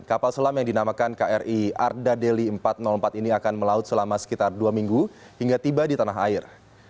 kapal selam yang dinamakan kri arda deli empat ratus empat ini akan melaut selama sekitar dua minggu hingga tiba di tanah air